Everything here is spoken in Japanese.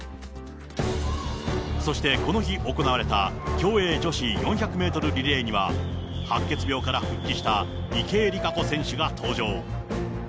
そして、この日行われた競泳女子４００メートルリレーには、白血病から復帰した池江璃花子選手が登場。